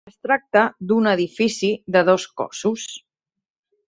Es tracta d'un edifici de dos cossos.